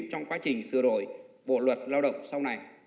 trong quá trình sửa đổi bộ luật lao động sau này